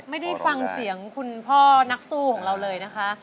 ไม่ได้ฟังเสียงคุณพ่อนักสู้ของเราเลยนะคะ